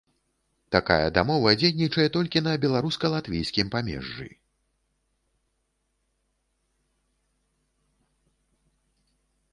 Такая дамова дзейнічае толькі на беларуска-латвійскім памежжы.